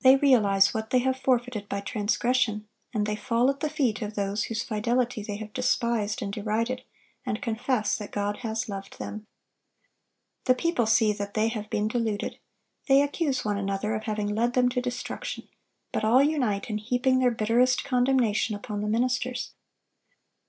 They realize what they have forfeited by transgression, and they fall at the feet of those whose fidelity they have despised and derided, and confess that God has loved them. The people see that they have been deluded. They accuse one another of having led them to destruction; but all unite in heaping their bitterest condemnation upon the ministers.